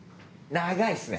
長いですね。